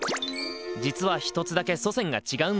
実はひとつだけ祖先が違うんだ。